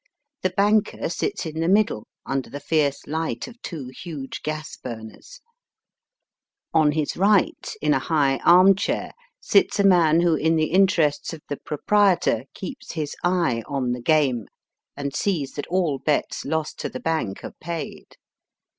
The banker sits in the middle, under the fierce light of two huge gas burners. Digitized by VjOOQIC 90 EAST BY WEST. On his right, in a high armchair sits a man who in the interests of the proprietor keeps his eye on the game and sees that all bets lost to the bank are paid.